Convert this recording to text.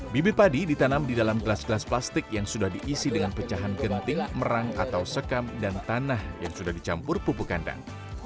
bibit padi ditanam di dalam gelas gelas plastik yang sudah diisi dengan pecahan genting merang atau sekam dan tanah yang sudah dicampur pupuk kandang